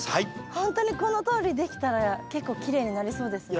ほんとにこのとおりできたら結構きれいになりそうですね。